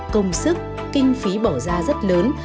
công sức kinh phí bỏ ra rất lớn